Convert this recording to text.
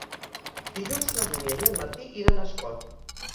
Dilluns na Dúnia i en Martí iran a Espot.